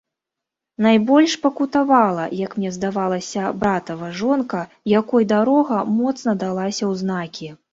Найбольш пакутавала, як мне здавалася, братава жонка, якой дарога моцна далася ў знакі.